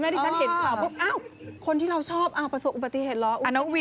ที่ฉันเห็นคลับบอกอ้าวคนที่เราชอบอ้าวประสุนปฏิเหตุแล้ว